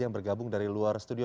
yang bergabung dari luar studio